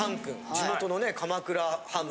地元のね鎌倉ハム。